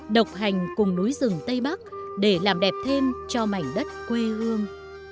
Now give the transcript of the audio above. độc hành cùng núi rừng tây bắc để làm đẹp thêm cho mảnh đất quê hương